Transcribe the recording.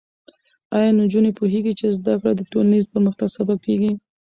ایا نجونې پوهېږي چې زده کړه د ټولنیز پرمختګ سبب کېږي؟